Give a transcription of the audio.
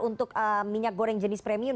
untuk minyak goreng jenis premium